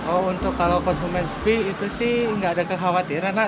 oh untuk kalau konsumen sepi itu sih nggak ada kekhawatiran lah